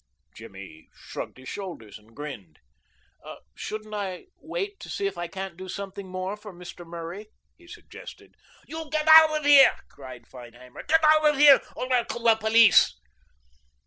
Jimmy shrugged his shoulders and grinned. "Shouldn't I wait to see if I can't do something more for Mr. Murray?" he suggested. "You get out of here!" cried Feinheimer, "Get out of here or I'll call the police."